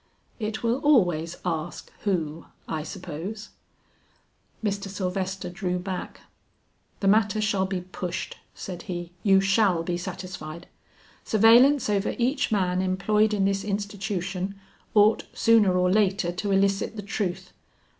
"It will always ask who, I suppose." Mr. Sylvester drew back. "The matter shall be pushed," said he; "you shall be satisfied. Surveillance over each man employed in this institution ought sooner or later to elicit the truth.